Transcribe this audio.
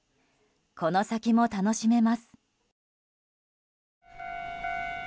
この先も楽しめます。